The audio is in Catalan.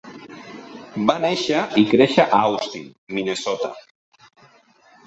Va néixer i créixer a Austin, Minnesota.